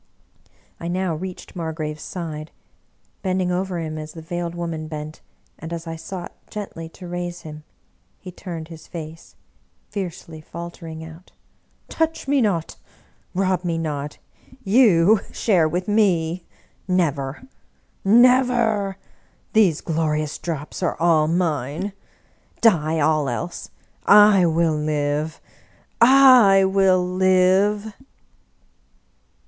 I now reached Margrave's side. Bending over him as the Veiled Woman bent, and as I sought gently to raise him, he turned his face, fiercely faltering out, " Touch me 97 English Mystery Stories not, rob me not! You share with me! Never, never! These glorious drops are all mine! Die all else! I will live, I will live